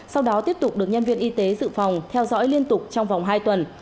sau đó tiếp tục được nhân viên y tế dự phòng theo dõi liên tục trong vòng hai tuần